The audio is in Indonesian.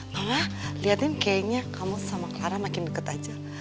mama liatin kayaknya kamu sama clara makin deket aja